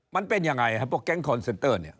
มันเป็นยังไงพวกแก๊งคอนเซนเตอร์เนี่ย